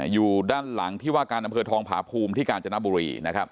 อยู่ด้านหลังที่ว่าการอำเภอทองผาภูมิที่กาญจนบุรี